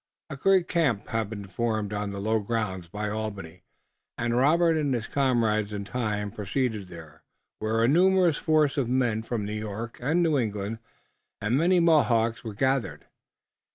A great camp had been formed on the low grounds by Albany, and Robert and his comrades in time proceeded there, where a numerous force of men from New York and New England and many Mohawks were gathered.